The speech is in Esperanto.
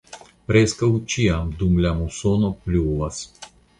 Preskaŭ ĉiam dum la musono pluvas.